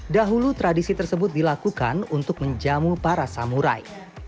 dahulu tradisi tersebut dilakukan untuk menjamu para samurai